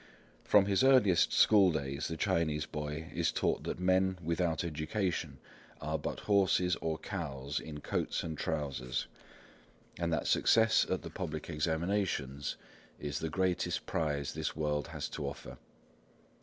From his earliest school days the Chinese boy is taught that men without education are but horses or cows in coats and trousers, and that success at the public examinations is the greatest prize this world has to offer.